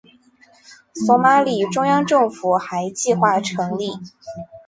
索马里中央政府还计划成立。